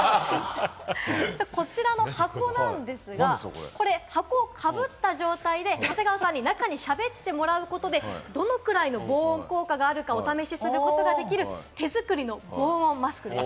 こちらの箱なんですが、箱をかぶった状態で長谷川さんに中で喋ってもらうことで、どのくらいの防音効果があるか、お試しすることができる手作りの防音マスクです。